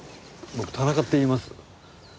僕田中っていいます。